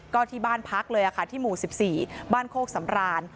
ก็ที่บ้านพักเลยค่ะที่หมู่๑๔บ้านโคกสำราน